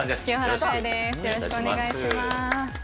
よろしくお願いします。